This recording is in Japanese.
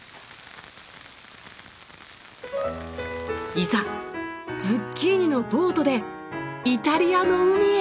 いざズッキーニのボートでイタリアの海へ！